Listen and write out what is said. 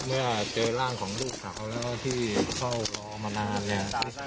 เมื่อเจอร่างของลูกสาวแล้วที่เฝ้ารอมานานเนี่ย